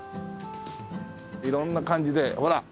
色んな感じでほらっ。